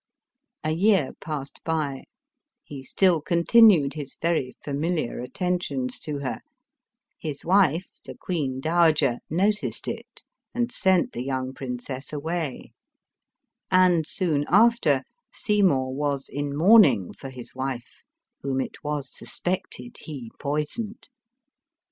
A year passed by ; he still continued his very familiar attentions to her; his wife, the queen dowager, noticed it, and sent the young princess away; and, soon after, Seymour was in mourning for his wife, whom it was suspected he poisoned.